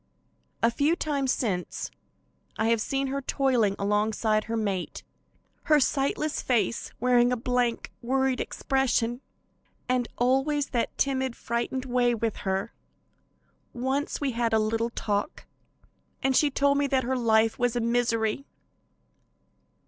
A few times since, I have seen her toiling along beside her mate, her sightless face wearing a blank, worried expression, and always that timid, frightened way with her. Once we had a little talk, and she told me that her life was a misery.